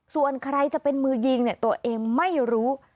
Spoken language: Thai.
ส่วนใครจะเป็นมือยิงตัวเองไม่รู้